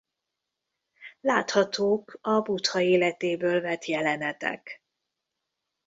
Láthatók a Buddha életéből vett jelenetek.